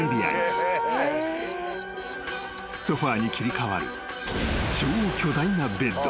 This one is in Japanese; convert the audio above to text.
［ソファに切り替わる］